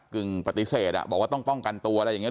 กึ่งปฏิเสธบอกว่าต้องป้องกันตัวอะไรอย่างนี้